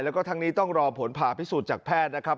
แล้วก็ทั้งนี้ต้องรอผลผ่าพิสูจน์จากแพทย์นะครับ